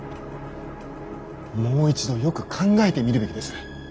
もう一度よく考えてみるべきです。